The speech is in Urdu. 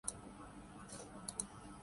دو نمبر نکلی۔